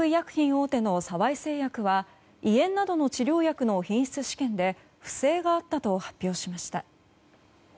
大手の沢井製薬は胃炎などの治療薬の品質試験で不正があったと発表しました。